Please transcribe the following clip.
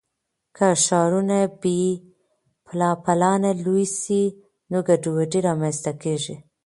که ښارونه بې پلانه لوی سي نو ګډوډي رامنځته کیږي.